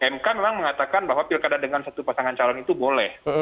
mk memang mengatakan bahwa pilkada dengan satu pasangan calon itu boleh